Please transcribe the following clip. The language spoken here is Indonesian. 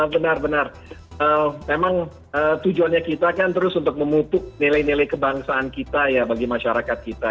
benar benar memang tujuannya kita kan terus untuk memutuk nilai nilai kebangsaan kita ya bagi masyarakat kita